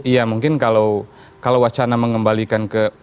ya mungkin kalau wacana mengembalikan ke